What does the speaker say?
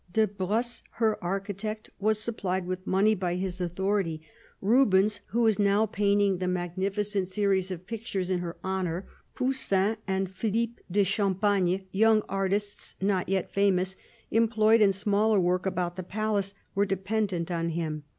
De Brosse, her architect, was supplied with money by his authority. Rubens, 136 CARDINAL DE RICHELIEU who was now painting the magnificent series of pictures in her honour; Poussin and Phihppe de Champagne, young artists not yet famous, employed in smaller work about the palace, were dependent on him.